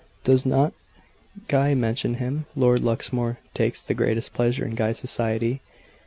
Does not Guy mention him? Lord Luxmore takes the greatest pleasure in Guy's society."